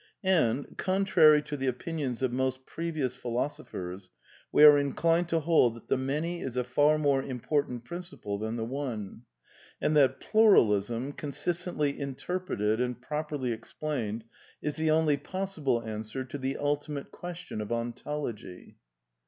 And, contrary to the opinions of most previous philosophers, we are inclined to hold that the Many is a far more important prin ciple than the One, and that Pluralism, consistently inter preted and properly explained, is the only i>os8ible answer to ihe ultimate question of ontology."